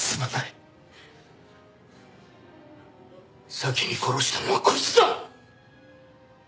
先に殺したのはこいつだ！